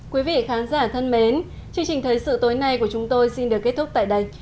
quý vị khán giả thân mến chương trình thời sự tối nay của chúng tôi xin được kết thúc tại đây